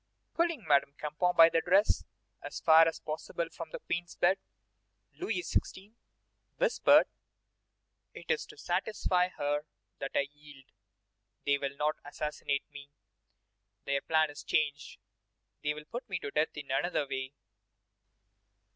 Pulling Madame Campan by the dress as far as possible from the Queen's bed, Louis XVI. whispered: "It is to satisfy her that I yield; they will not assassinate me; their plan is changed; they will put me to death in another way."